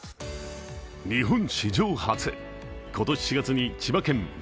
日本史上初、今年４月に千葉県ＺＯＺＯ